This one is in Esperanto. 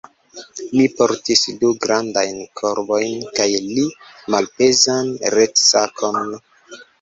Ŝi portis du grandajn korbojn kaj li malpezan retsakon.